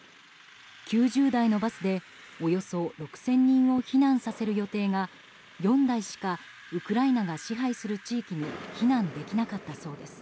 ９０台のバスで、およそ６０００人を避難させる予定が４台しかウクライナが支配する地域に避難できなかったそうです。